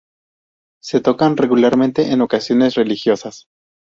Se tocan regularmente en ocasiones religiosas.